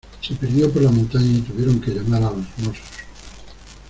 Se perdió por la montaña y tuvieron que llamar a los Mossos.